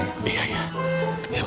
cik emang dia tidur